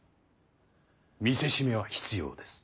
見せしめは必要です。